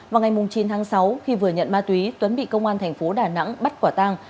vào ngày chín tháng sáu khi vừa nhận ma túy tuấn bị công an thành phố đà nẵng bắt quả tang